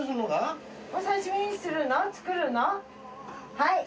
はい。